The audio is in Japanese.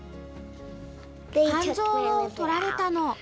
肝臓をとられたの。